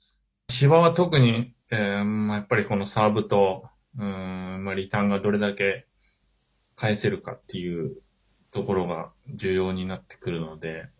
芝は特に、やっぱりサーブとリターンがどれだけ返せるかというところが重要になってくるので。